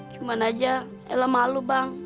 cuman aja elah malu bang